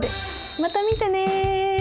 また見てね。